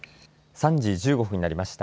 ３時１５分になりました。